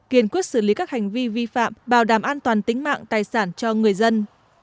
kiên quyết xử lý các hành vi vi phạm bảo đảm an toàn tính mạng tài sản cho người dân